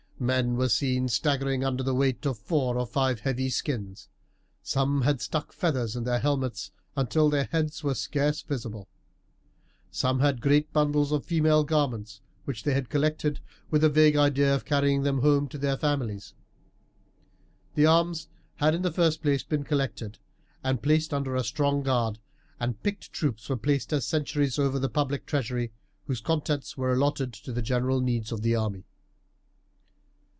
Men were seen staggering under the weight of four or five heavy skins. Some had stuck feathers in their helmets until their heads were scarce visible. Some had great bundles of female garments, which they had collected with a vague idea of carrying them home to their families. The arms had in the first place been collected and placed under a strong guard, and picked troops were placed as sentries over the public treasury, whose contents were allotted to the general needs of the army.